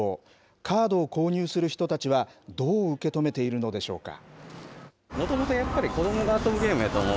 カードを購入する人たちは、どう受け止めているのでしょうか。